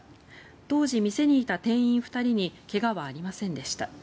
当時、店にいた店員２人に怪我はありませんでした。